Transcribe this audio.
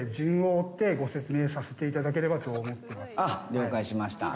「了解しました」